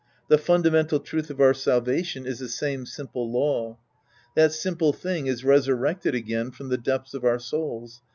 The fundamental truth of our salvation is the same simple law. That simple thing is resurrected again from the depths of our souls.